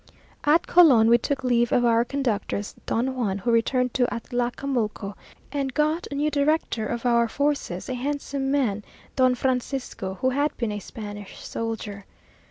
At Colon we took leave of our conductor, Don Juan, who returned to Atlacamulco, and got a new director of our forces, a handsome man, yclept Don Francisco, who had been a Spanish soldier.